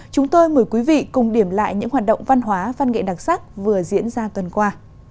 chúng tôi mời quý vị cùng điểm lại những hoạt động văn hóa văn nghệ đặc sắc vừa diễn ra tuần qua